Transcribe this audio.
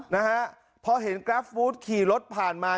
นะฮะพอเห็นกราฟฟู้ดขี่รถผ่านมา